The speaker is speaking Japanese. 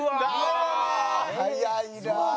早いなあ。